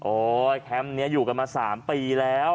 แคมป์นี้อยู่กันมา๓ปีแล้ว